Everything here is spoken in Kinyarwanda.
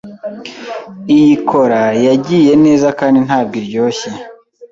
Iyi cola yagiye neza kandi ntabwo iryoshye.